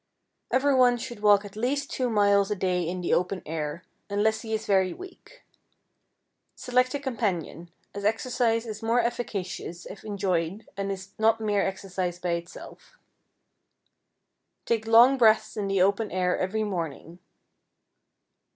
Every one should walk at least two miles a day in the open air, unless he is very weak. Select a companion, as exercise is more efficacious if enjoyed and is not mere exercise by itself. Take long breaths in the open air every morning.